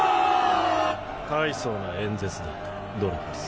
大層な演説だドレファス。